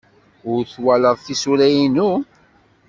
Ur twalaḍ tisura-inu?